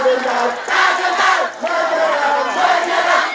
menerbang menerang menerjang